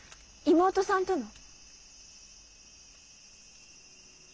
妹さんとの？